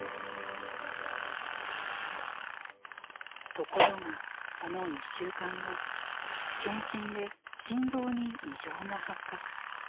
ところがその１週間後検診で心臓に異常が発覚。